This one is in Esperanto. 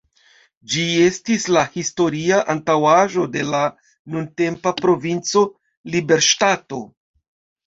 Ĝi estis la historia antaŭaĵo de la nuntempa Provinco Liberŝtato.